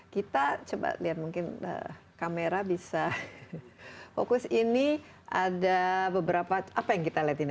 kita coba lihat mungkin kamera bisa fokus ini ada beberapa apa yang kita lihat ini